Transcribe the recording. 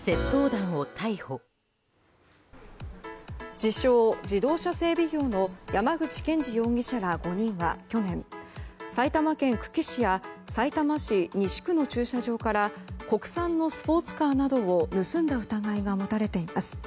自称自動車整備業の山口健司容疑者ら５人は去年埼玉県久喜市やさいたま市西区の駐車場から国産のスポーツカーなどを盗んだ疑いが持たれています。